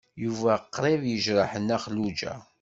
Yuba qrib yejreḥ Nna Xelluǧa.